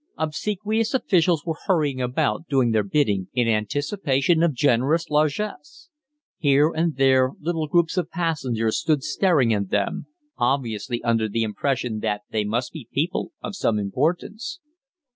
Obsequious officials were hurrying about doing their bidding, in anticipation of generous largesse. Here and there little groups of passengers stood staring at them, obviously under the impression that they must be people of some importance.